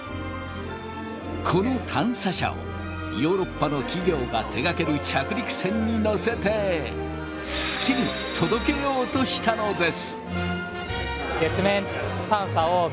この探査車をヨーロッパの企業が手がける着陸船に載せて月に届けようとしたのです。